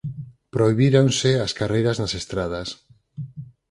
Prohibíronse as carreiras nas estradas.